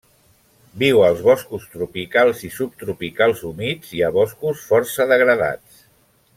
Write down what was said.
Viu als boscos tropicals i subtropicals humits i a boscos força degradats.